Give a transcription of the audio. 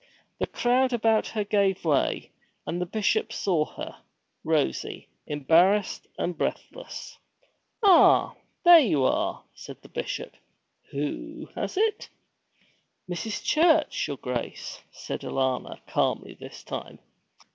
The crowd about her gave way, and the Bishop saw her, rosy, embarrassed, and breathless. 'Ah, there you are!' said the Bishop. 'WHO has it?' 'Mrs. Church, your Grace,' said Alanna, calmly this time.